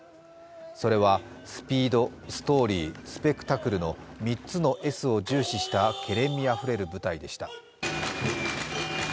それはスピード、ストーリー、スペクタクルの３つの「Ｓ」を重視したけれんみあふれる舞台でした。